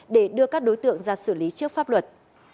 để đưa các đối tượng ra xử lý trước pháp luật